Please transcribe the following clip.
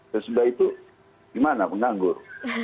selepas itu gimana menganggur